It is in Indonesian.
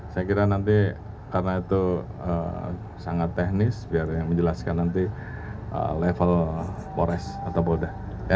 saya kira nanti karena itu sangat teknis biar menjelaskan nanti level polres atau polda